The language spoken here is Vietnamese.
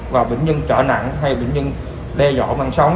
và bệnh nhân trở nặng hay bệnh nhân đe dọa mang sóng